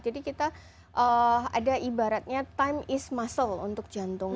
jadi kita ada ibaratnya time is muscle untuk jantung